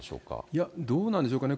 いや、どうなんでしょうかね。